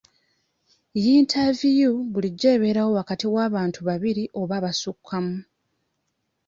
Yiintaaviyu bulijjo ebeerawo wakati w'abantu babiri oba abasukkamu.